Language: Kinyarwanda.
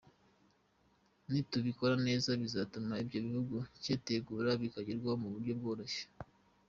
Nitubikora neza, bizatuma ibyo igihugu cyateguye bigerwaho mu buryo bworoshye.